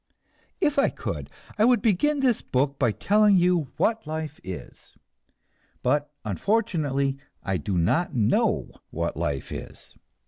If I could, I would begin this book by telling you what Life is. But unfortunately I do not know what Life is.